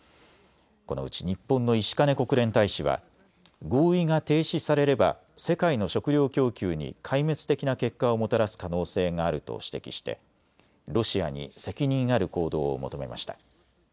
このうち日本の石兼国連大使は合意が停止されれば世界の食料供給に壊滅的な結果をもたらす可能性があると指摘してロシアに責任ある行動を求めました。